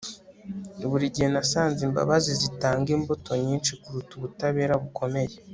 Buri gihe nasanze imbabazi zitanga imbuto nyinshi kuruta ubutabera bukomeye